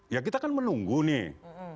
ya kita kan menunggu nih